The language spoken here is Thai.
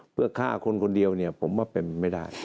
เพื่อฆ่าคนคนเดียวเนี่ยผมว่าเป็นไม่ได้